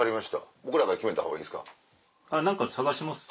僕らが決めたほうがいいですか？